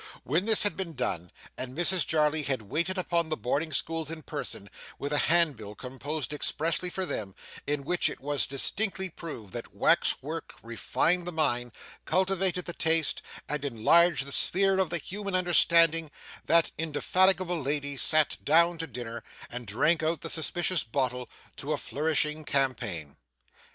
When this had been done, and Mrs Jarley had waited upon the boarding schools in person, with a handbill composed expressly for them, in which it was distinctly proved that wax work refined the mind, cultivated the taste, and enlarged the sphere of the human understanding, that indefatigable lady sat down to dinner, and drank out of the suspicious bottle to a flourishing campaign.